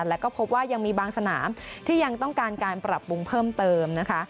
แล้วก็พบว่ายังมีบางสนามที่ยังต้องการการปรับปรุงเพิ่มเติมนะคะ